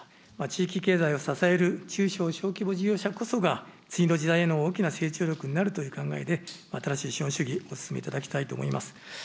地域経済を支える中小・小規模事業者こそが、次の時代への大きな成長力になるという考えで、新しい資本主義、お進めいただきたいと思います。